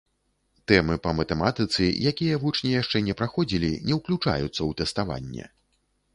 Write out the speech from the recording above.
Тэмы па матэматыцы, якія вучні яшчэ не праходзілі, не ўключаюцца ў тэставанне.